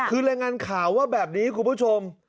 คือรายงานข่าวว่าแบบนี้คุณผู้ชม